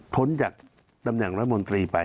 พ้นจากตำแหน่งรัฐมนตรีไป